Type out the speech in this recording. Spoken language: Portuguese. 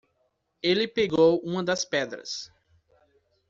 Ele pegou uma das pedras.